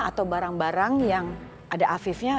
atau barang barang yang ada afifnya